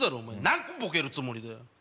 何個ボケるつもりだよ。